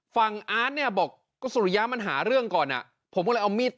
อาร์ตเนี่ยบอกก็สุริยะมันหาเรื่องก่อนอ่ะผมก็เลยเอามีด